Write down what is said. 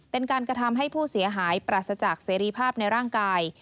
เป็นการกระทำให้ผู้เสียหายปราศจากเสรีภาพในร่างกาย